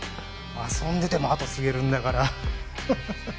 遊んでても後継げるんだからハハハ